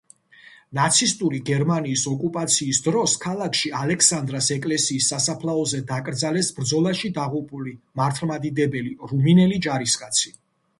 ნაცისტური გერმანიის ოკუპაციის დროს ქალაქში ალექსანდრას ეკლესიის სასაფლაოზე დაკრძალეს ბრძოლაში დაღუპული მართლმადიდებელი რუმინელი ჯარისკაცი.